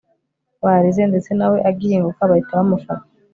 barize ndetse nawe agihinguka bahita bamufata